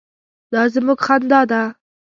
_دا زموږ خندا ده.